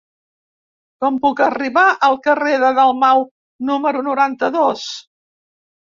Com puc arribar al carrer de Dalmau número noranta-dos?